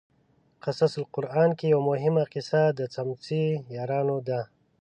قصص القران کې یوه مهمه قصه د څمڅې یارانو ده.